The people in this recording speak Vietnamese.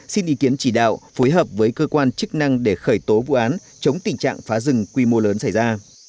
xin ý kiến chỉ đạo phối hợp với cơ quan chức năng để khởi tố vụ án chống tình trạng phá rừng quy mô lớn xảy ra